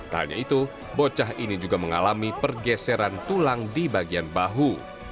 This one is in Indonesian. tak hanya itu bocah ini juga mengalami pergeseran tulang di bagian bahu